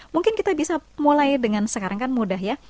mungkin kita bisa mulai dengan sekarang kan mudah ya